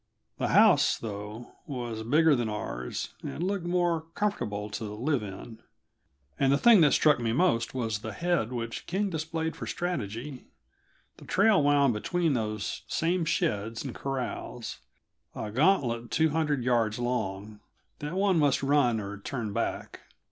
The house, though, was bigger than ours, and looked more comfortable to live in. And the thing that struck me most was the head which King displayed for strategy. The trail wound between those same sheds and corrals, a gantlet two hundred yards long that one must run or turn back.